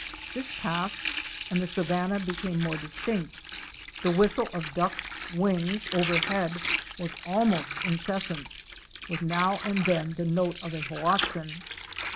This passed, and the savanna became more distinct —the whistle of Ducks' wings overhead was almost incessant, with now and then the note of a Hoatzin.